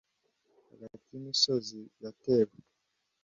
Hagati yimisozi yatewe